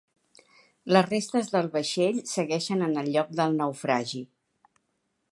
Les restes del vaixell segueixen en el lloc del naufragi.